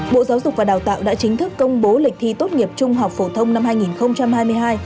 bộ giáo dục và đào tạo đã chính thức công bố lịch thi tốt nghiệp trung học phổ thông năm hai nghìn hai mươi hai